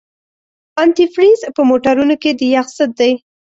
انتي فریز په موټرونو کې د یخ ضد دی.